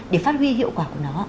để phát huy hiệu quả của nó